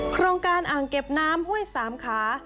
โครงการอ่างเก็บน้ำห้วยสามขา